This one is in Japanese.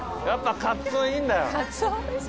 やっぱカツオいいんだよ。